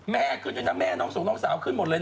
แม่ขึ้นด้วยนะแม่น้องส่งน้องสาวขึ้นหมดเลยนะ